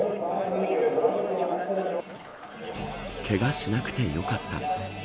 けがしなくてよかった。